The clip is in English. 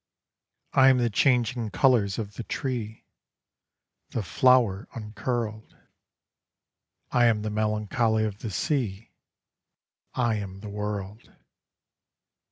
I am the changing colours of the tree; The flower uncurled: I am the melancholy of the sea; I am the world.